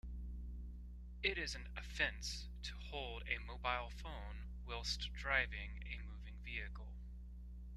It is an offence to hold a mobile phone whilst driving a moving vehicle.